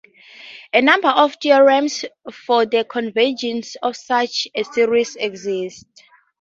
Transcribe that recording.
A number of theorems for the convergence of such a series exist.